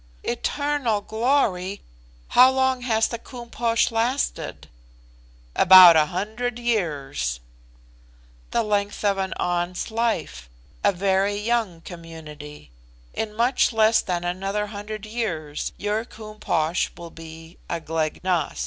"Eternal glory! How long has the Koom Posh lasted?" "About 100 years." "The length of an An's life a very young community. In much less than another 100 years your Koom Posh will be a Glek Nas."